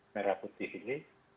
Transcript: merah putih ini